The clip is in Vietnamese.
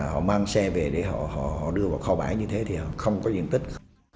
họ mang xe về để họ đưa vào kho bãi như thế thì họ không có diện tích